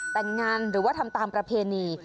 แต่งงานหรือว่าทำตามประเพณี